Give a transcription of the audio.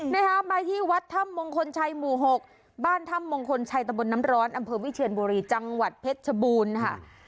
นะคะไปที่วัดถ้ำมงคลชัยหมู่๖บ้านถ้ำมงคลชัยตะบนน้ำร้อนอำเภอวิเชียนบุรีจังหวัดเพชรชบูรณ์ค่ะ